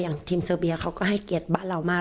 อย่างทีมเสิร์ฟเบียเขาก็ให้เกียรติบัตรเรามาก